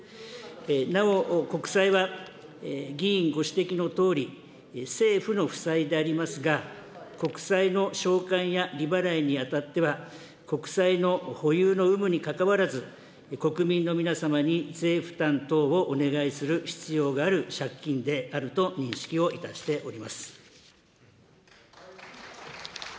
なお、国債は、議員ご指摘のとおり、政府の負債でありますが、国債の償還や利払いにあたっては、国債の保有の有無にかかわらず、国民の皆様に税負担等をお願いする必要がある借金であると認識をいたしております。